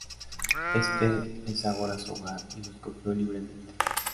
Este es ahora su hogar y lo escogió libremente.